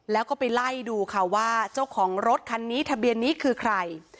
แล้วก็ไปไล่ดูค่ะว่าเจ้าของรถคันนี้ทะเบียนนี้คือใคร